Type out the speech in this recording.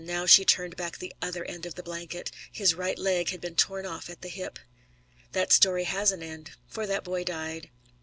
Now she turned back the other end of the blanket His right leg had been torn off at the hip. That story has an end; for that boy died.